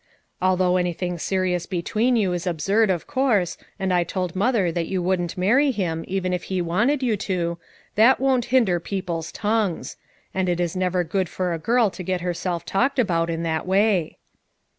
Although anything serious between you is ab FOUR MOTHERS AT CHAUTAUQUA 147 surd, of course, and I told Mother that you wouldn't marry him even if he wanted you to, that won't hinder people's tongues; and it is never good for a girl to get herself talked about in that way."